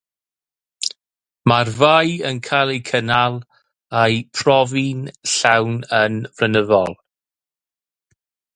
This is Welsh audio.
Mae'r ddau yn cael eu cynnal a'u profi'n llawn yn flynyddol.